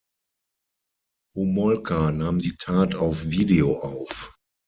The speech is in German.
Homolka nahm die Tat auf Video auf.